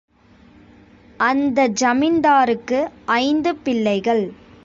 அந்த ஜமீன்தாருக்கு ஐந்து பிள்ளைகள்.